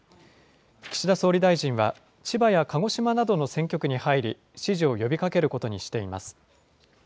岸田総理大臣は、千葉や鹿児島などの選挙区に入り、支持を呼びかけることにしています。